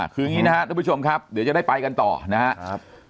คืออย่างนี้นะครับทุกผู้ชมครับเดี๋ยวจะได้ไปกันต่อนะครับ